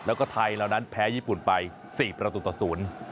แล้วก็ไทยเหล่านั้นแพ้ญี่ปุ่นไปสี่ประตูต่อศูนย์